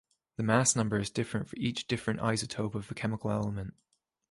The mass number is different for each different isotope of a chemical element.